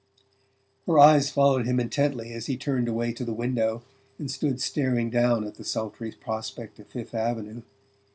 Her eyes followed him intently as he turned away to the window and stood staring down at the sultry prospect of Fifth Avenue.